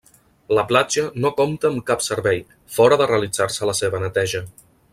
La platja no compta amb cap servei, fora de realitzar-se la seva neteja.